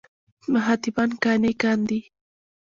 مخاطبان قانع کاندي.